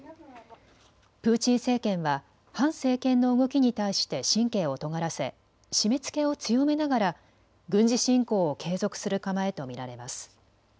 プーチン政権は反政権の動きに対して神経をとがらせ締めつけを強めながら軍事侵攻を継続する構えと見られます。